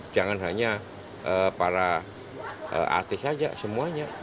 jangan hanya para artis saja semuanya